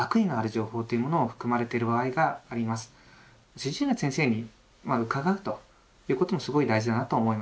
主治医の先生に伺うということもすごい大事だなと思います。